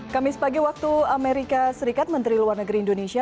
kami sepagi waktu amerika serikat menteri luar negeri indonesia